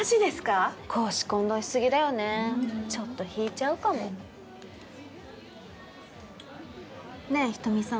公私混同しすぎだよねちょっと引いちゃうかもねえ人見さん